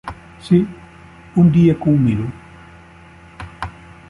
Sí, un dia que ho miro.